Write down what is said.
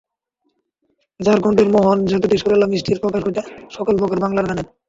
যাঁর কণ্ঠের মোহন জাদুতে সুরেলা মিষ্টির প্রকাশ ঘটে সকল প্রকার বাংলা গানের।